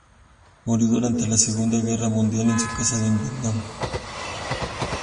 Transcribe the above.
Murió durante la Segunda Guerra Mundial en su casa en Vietnam.